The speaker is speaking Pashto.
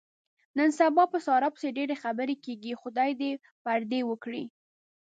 نن سبا په ساره پسې ډېرې خبرې کېږي. خدای یې دې پردې و کړي.